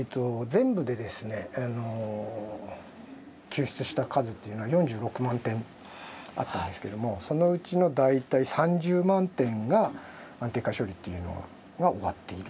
全部でですね救出した数というのは４６万点あったんですけれどもそのうちの大体３０万点が安定化処理というのが終わっていると。